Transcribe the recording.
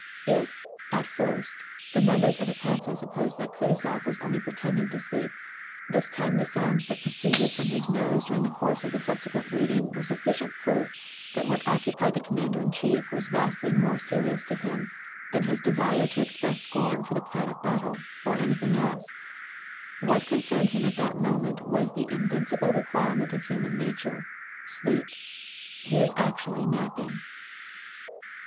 If, at first, the members of the council supposed that Kutu zof was only pretending to sleep, this time the sounds that proceeded from his nose during the course of the subsequent reading were sufficient proof that what occupied the com mander in chief was vastly more serious to him than his desire to express scorn for the plan of battle, or anything else : what concerned him at that moment was the invincible requirement of human nature, sleep. Ho was actually napping